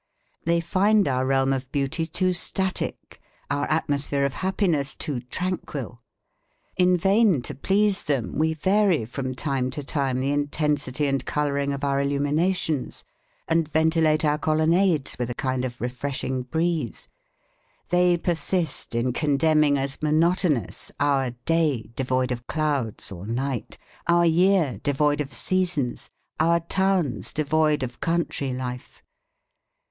They find our realm of beauty too static, our atmosphere of happiness too tranquil. In vain to please them we vary from time to time the intensity and colouring of our illuminations and ventilate our colonnades with a kind of refreshing breeze. They persist in condemning as monotonous our day devoid of clouds or night; our year, devoid of seasons; our towns devoid of country life.